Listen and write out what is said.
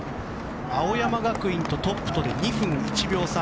青山学院とトップとで２分１秒差。